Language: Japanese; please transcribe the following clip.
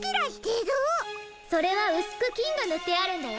それはうすくきんがぬってあるんだよ。